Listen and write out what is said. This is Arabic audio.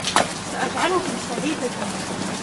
سأجعلك سعيدةً.